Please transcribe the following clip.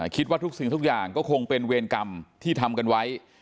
คิดว่าทุกสิ่งทุกอย่างก็คงเป็นเวรกรรมที่ทำกันไว้